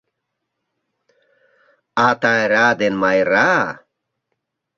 А Тайра ден Майра